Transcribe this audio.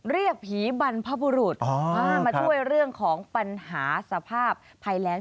เรียกผีบรรพบุรุษมาช่วยเรื่องของปัญหาสภาพภัยแรง